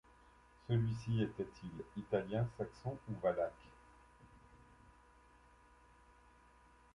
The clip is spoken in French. Celui-ci était-il italien, saxon ou valaque?